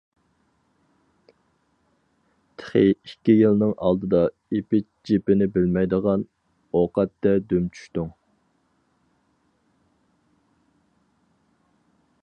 تېخى ئىككى يىلنىڭ ئالدىدا ئېپى-جېپىنى بىلمەيدىغان ئوقەتتە دۈم چۈشتۈڭ.